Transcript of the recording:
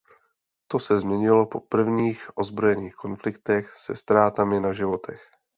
To se změnilo po prvních ozbrojených konfliktech se ztrátami na životech.